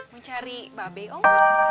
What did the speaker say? mencari babi om